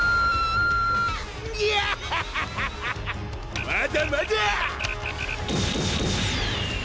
ギャッハッハッハッまだまだ！